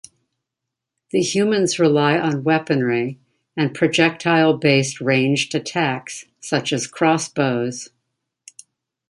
The Humans rely on weaponry, and projectile-based ranged attacks, such as crossbows.